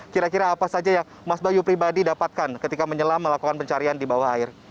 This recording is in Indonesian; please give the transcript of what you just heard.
kira kira apa saja yang mas bayu pribadi dapatkan ketika menyelam melakukan pencarian di bawah air